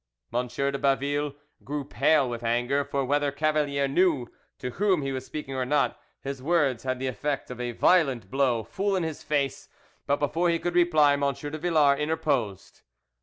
M. de Baville grew pale with anger; for whether Cavalier knew to whom he was speaking or not, his words had the effect of a violent blow full in his face; but before he could reply M. de Villars interposed.